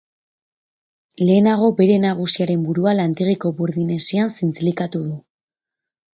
Lehenago bere nagusiaren burua lantegiko burdin hesian zintzilikatu du.